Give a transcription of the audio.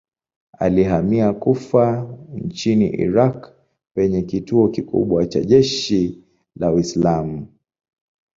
Alihamia Kufa nchini Irak penye kituo kikubwa cha jeshi la Uislamu.